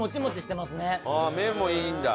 麺もいいんだ！